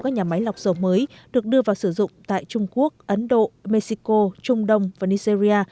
các nhà máy lọc dầu mới được đưa vào sử dụng tại trung quốc ấn độ mexico trung đông và nigeria